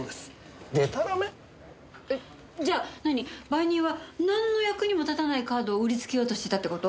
売人はなんの役にも立たないカードを売りつけようとしてたって事？